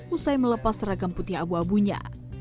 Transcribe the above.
usai melepas seragam putih abu abunya